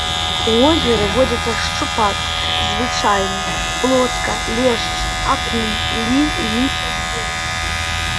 У возеры водзяцца шчупак звычайны, плотка, лешч, акунь, лінь і іншыя віды рыб.